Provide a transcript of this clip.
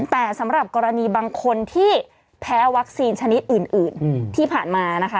แต่สำหรับกรณีบางคนที่แพ้วัคซีนชนิดอื่นที่ผ่านมานะคะ